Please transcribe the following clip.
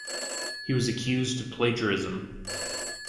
He was accused of plagiarism.